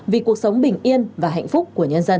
vì cuộc sống bình yên và hạnh phúc của nhân dân